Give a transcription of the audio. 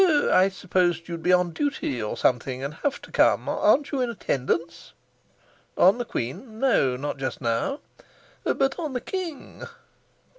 "Oh, I supposed you'd be on duty, or something, and have to come. Aren't you in attendance?" "On the queen? No, not just now." "But on the king?"